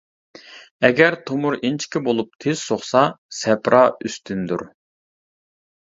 ئەگەر تومۇر ئىنچىكە بولۇپ تېز سوقسا سەپرا ئۈستۈندۇر.